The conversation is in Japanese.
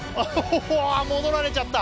あ戻られちゃった